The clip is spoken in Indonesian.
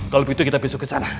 kalau begitu kita besok kesana